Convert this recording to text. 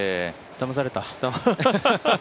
だまされた。